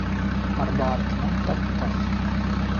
Арба артынан таҡҡас.